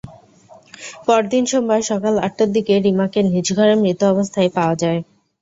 পরদিন সোমবার সকাল আটটার দিকে রিমাকে নিজ ঘরে মৃত অবস্থায় পাওয়া যায়।